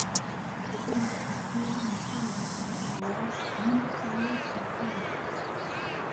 He has appeared in television roles, mini-series and films.